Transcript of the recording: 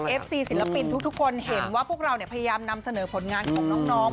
เอฟซีศิลปินทุกคนเห็นว่าพวกเราพยายามนำเสนอผลงานของน้อง